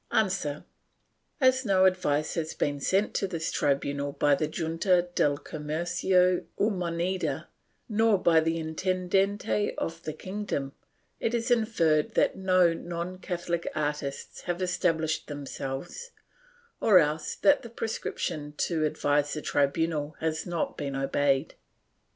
A. As no advice has been sent to this tribunal by the Junta del Comercio y Moneda, nor by the Intendcnte of the kingdom, it is inferred that no non Catholic artists have established themselves, or else that the prescription to advise the tribunal has not been obeyed.